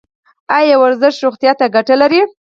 ایا ورزش روغتیا ته ګټه لري؟